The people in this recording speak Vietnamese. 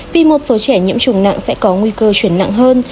vì một số trẻ nhiễm trùng nặng sẽ có nguy cơ chuyển nặng hơn